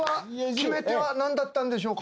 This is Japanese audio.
決め手は何だったんでしょうか？